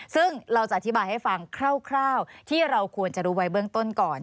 ซึ่งเราจะอธิบายให้ฟังคร่าวที่เราควรจะรู้ไว้เบื้องต้นก่อน